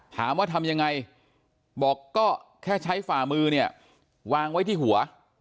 ทำยังไงบอกก็แค่ใช้ฝ่ามือเนี่ยวางไว้ที่หัว